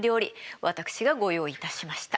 私がご用意いたしました。